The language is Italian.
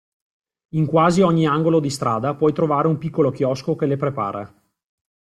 In quasi ogni angolo di strada puoi trovare un piccolo chiosco che le prepara.